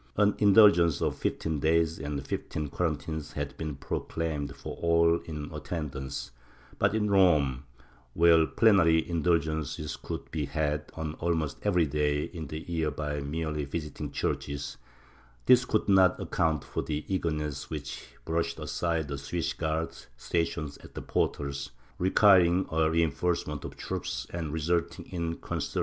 An indulgence of fifteen days and fifteen quarantines had been proclaimed for all in attendance, but in Rome, where plenary indulgences could be had on almost every day in the year by merely visiting churches, this could not account for the eager ness which brushed aside the Swiss guards stationed at the portals, requiring a reinforcement of troops and resulting in considerable D'Argentre, Collect, judic.